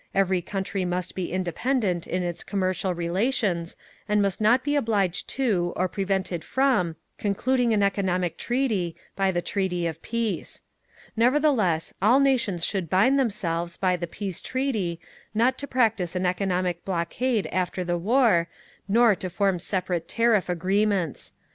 Every country must be independent in its commercial relations, and must not be obliged to, or prevented from, concluding an economic treaty, by the Treaty of Peace. Nevertheless, all nations should bind themselves, by the Peace Treaty, not to practise an economic blockade after the war, nor to form separate tariff agreements.